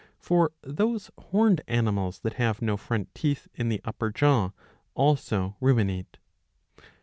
For those horned animals that have no front teeth in the upper jaw also ruminate.